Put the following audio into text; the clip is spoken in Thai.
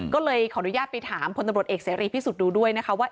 ก็เลยขออนุญาตไปถามพลตำรวจเอกเสรีพิสุทธิ์ดูด้วยนะคะว่า